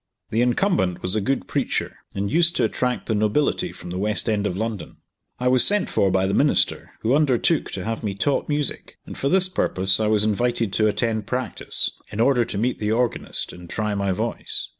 The incumbent was a good preacher, and used to attract the nobility from the west end of London. I was sent for by the minister, who undertook to have me taught music, and for this purpose I was invited to attend practice, in order to meet the organist and try my voice.